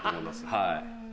はい。